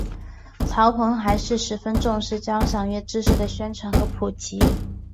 曹鹏还十分重视交响音乐知识的宣传与普及。